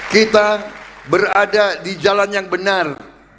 kita berada di jalan yang benar